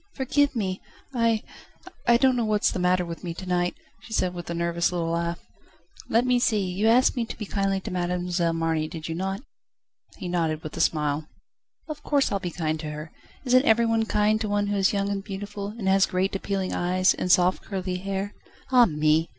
"Forgive me! I I don't know what's the matter with me to night," she said with a nervous little laugh. "Let me see, you asked me to be kind to Mademoiselle Marny, did you not?" He nodded with a smile. "Of course I'll be kind to her. Isn't every one kind to one who is young and beautiful, and has great, appealing eyes, and soft, curly hair? Ah me!